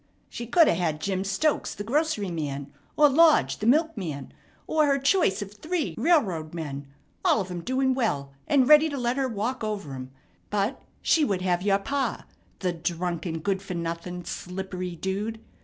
She could 'a' had Jim Stokes, the groceryman, or Lodge, the milkman, or her choice of three railroad men, all of 'em doing well, and ready to let her walk over 'em; but she would have your pa, the drunken, good for nothing, slippery dude.